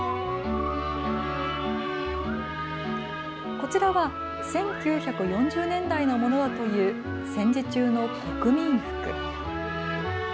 こちらは１９４０年代のものだという戦時中の国民服。